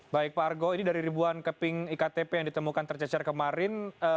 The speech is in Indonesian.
baik pak argo ini dari ribuan keping iktp yang ditemukan tercecer kemarin